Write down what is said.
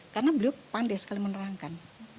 karena beliau pandai sekali menerangkan